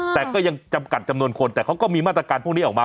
แต่ก็ยังจำกัดจำนวนคนแต่เขาก็มีมาตรการพวกนี้ออกมา